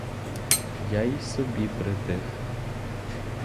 Я й собі притих.